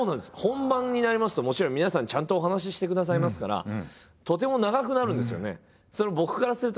本番になりますともちろん皆さんちゃんとお話ししてくださいますからとても長くなるんですよね。